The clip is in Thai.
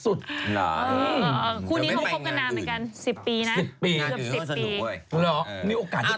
คู่นี้คงพบกันนานเหมือนกัน๑๐ปีนะ